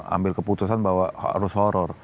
ambil keputusan bahwa harus horror